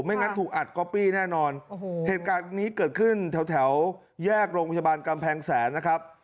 งั้นถูกอัดก๊อปปี้แน่นอนโอ้โหเหตุการณ์นี้เกิดขึ้นแถวแถวแยกโรงพยาบาลกำแพงแสนนะครับ